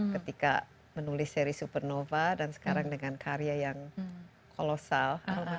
ketika menulis seri supernova dan sekarang dengan karya yang kolosal